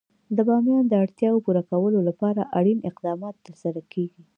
د بامیان د اړتیاوو پوره کولو لپاره اړین اقدامات ترسره کېږي.